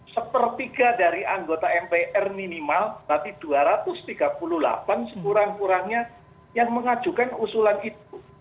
sepertiga dari anggota mpr minimal berarti dua ratus tiga puluh delapan sekurang kurangnya yang mengajukan usulan itu